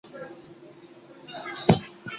攀鲈亚目为辐鳍鱼纲攀鲈目的其中一个亚目。